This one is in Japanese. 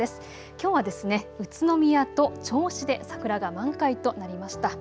きょうは宇都宮と銚子で桜が満開となりました。